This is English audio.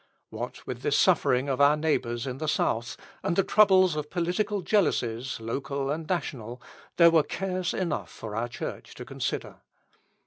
What with this suffering of our neighbours in the South, and the troubles of political jealousies local and national, there were cares enough for our church to consider.